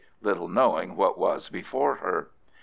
little knowing what was before her.